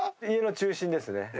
家の中心ですね。